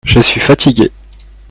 Je suis fatigué.